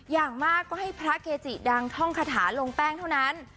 อย่างมากก็ให้พระเกจิดังท่องคาถาลงแป้งเท่านั้น